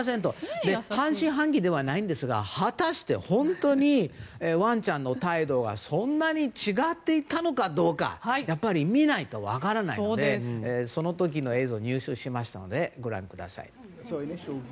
半信半疑ではないんですが果たして本当にワンちゃんの態度はそんなに違っていたのかどうか見ないと分からないのでその時の映像入手しましたのでご覧ください。